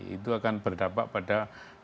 itu akan berdapat pada